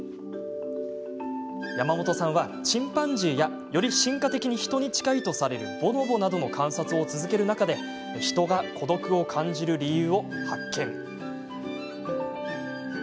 山本さんは、チンパンジーやより進化的に人に近いとされるボノボなどの観察を続ける中で人が孤独を感じる理由を発見。